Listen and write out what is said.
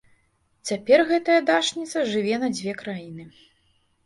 Цяпер гэтая дачніца жыве на дзве краіны.